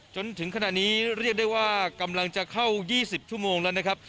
จนถึงขณะนี้เรียกได้ว่ากำลังจะเข้า๒๐ชั่วโมงแล้วนะครับ